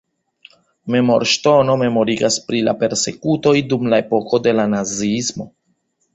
Memorŝtono memorigas pri la persekutoj dum la epoko de la naziismo.